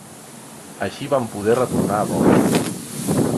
Així van poder retornar a Roma.